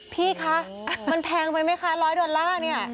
พี่คะมันแพงไปไหมคะร้อยดอลลาร์เนี่ย